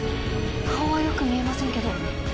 顔はよく見えませんけど。